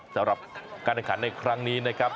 สำหรับการแข่งขันในครั้งนี้นะครับ